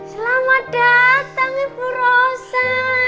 selamat datang ibu rosa